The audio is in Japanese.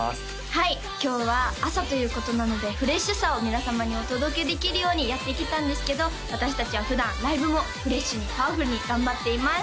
はい今日は朝ということなのでフレッシュさを皆様にお届けできるようにやってきたんですけど私達は普段ライブもフレッシュにパワフルに頑張っています